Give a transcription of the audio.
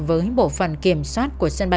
với bộ phần kiểm soát của sân bay